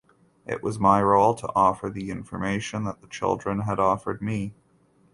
It was my role to offer the information that the children had offered me.